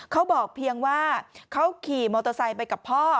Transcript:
เขาบอกเพียงว่าเขาขี่มอเตอร์ไซค์ไปกับพ่อ